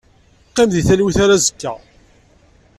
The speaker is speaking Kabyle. Qqim deg talwit. Ar azekka.